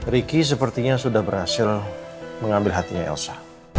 riki sepertinya sudah berhasil mengambil hatinya elsa